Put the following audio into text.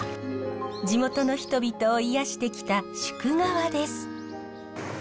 地元の人々を癒やしてきた夙川です。